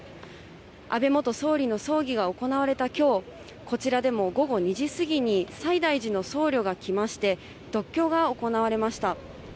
安倍元総理の葬儀が行われたきょう、こちらでも午後２時過ぎに西大寺の僧侶が来まして、読経が行われました。